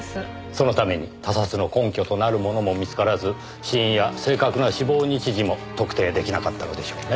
そのために他殺の根拠となるものも見つからず死因や正確な死亡日時も特定出来なかったのでしょうね。